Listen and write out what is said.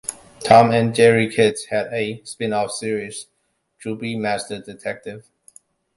"Tom and Jerry Kids" had a spin-off series, "Droopy, Master Detective".